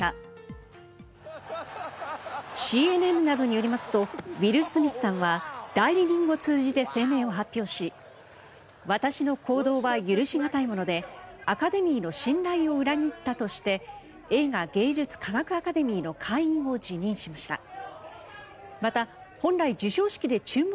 ＣＮＮなどによりますとウィル・スミスさんは代理人を通じて声明を発表し私の行動は許し難いものでアカデミーの信頼を裏切ったとして映画芸術科学アカデミーの会員を辞任しました。